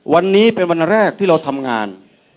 วันนี้เป็นวันแรกที่เราทำงาน